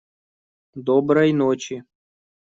Доброй ночи.